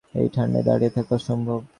এই ঠান্ডায় দাঁড়িয়ে থাকা অসম্ভব।